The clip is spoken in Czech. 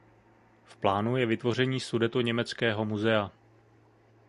V plánu je vytvoření Sudetoněmeckého muzea.